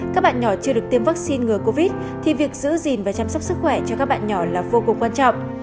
các bạn nhỏ chưa được tiêm vaccine ngừa covid thì việc giữ gìn và chăm sóc sức khỏe cho các bạn nhỏ là vô cùng quan trọng